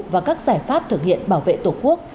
và các giải pháp thực hiện bảo vệ tổ quốc